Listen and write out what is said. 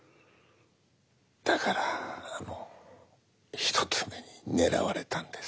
だからあの一つ目に狙われたんです。